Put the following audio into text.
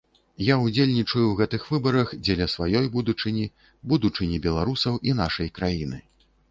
Я ўдзельнічаю ў гэтых выбарах дзеля сваёй будучыні, будучыні беларусаў і нашай краіны.